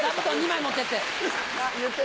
２枚持ってって。